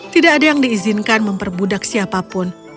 tidak ada yang diizinkan memperbudak siapapun